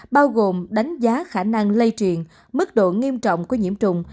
bao gồm đánh giá khả năng lây truyền mức độ nghiêm trọng của nhiễm trùng